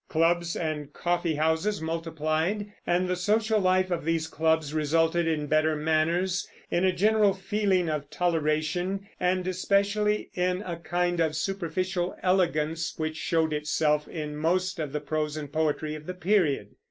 Clubs and coffeehouses multiplied, and the social life of these clubs resulted in better manners, in a general feeling of toleration, and especially in a kind of superficial elegance which shows itself in most of the prose and poetry of the period.